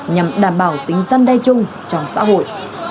nhằm đảm bảo tính dân đe chung trong xã hội